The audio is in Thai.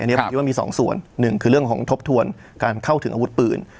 อันนี้ผมคิดว่ามีสองส่วนหนึ่งคือเรื่องของทบทวนการเข้าถึงอาวุธปืน